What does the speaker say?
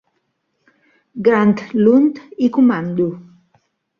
Granlund i comando